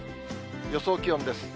予想気温です。